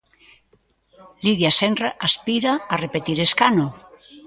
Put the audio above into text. Lidia Senra aspira a repetir escano.